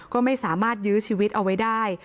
ก็ไม่สามารถยื้อชีวิตเอาไว้ได้